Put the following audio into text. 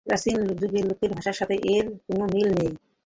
প্রাচীন যুগের লোকের ভাষার সাথে এর কোন মিল নেই।